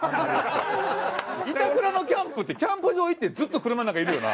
板倉のキャンプってキャンプ場行ってずっと車の中いるよな？